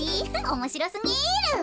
おもしろすぎる。